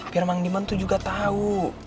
biar mang deman tuh juga tahu